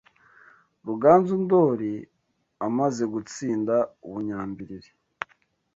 Ruganzu Ndoli, amaze gutsinda u Bunyambilili